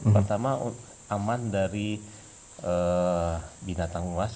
pertama aman dari binatang luas